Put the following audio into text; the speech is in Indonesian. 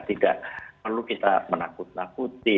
tidak perlu kita menakut nakuti